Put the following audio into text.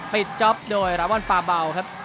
ปิดจ๊อปโดยระวังปลาเบาครับ